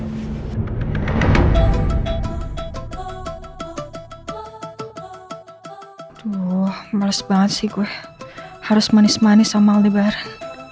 aduh males banget sih gue harus manis manis sama oldebar